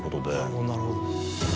なるほどなるほど。